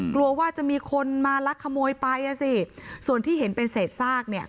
กลัวว่าจะมีคนมาลักขโมยไปอ่ะสิส่วนที่เห็นเป็นเศษซากเนี่ย